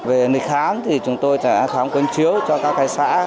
về nịch khám thì chúng tôi sẽ khám quân chiếu cho các cái xã